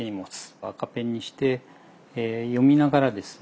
赤ペンにして読みながらですね